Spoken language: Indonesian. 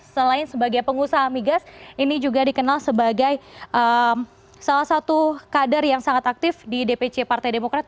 selain sebagai pengusaha migas ini juga dikenal sebagai salah satu kader yang sangat aktif di dpc partai demokrat